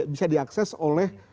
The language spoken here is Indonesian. bisa diakses oleh